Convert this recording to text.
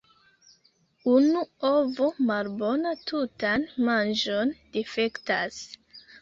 Unu ovo malbona tutan manĝon difektas.